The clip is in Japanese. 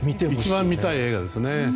一番見たい映画ですね。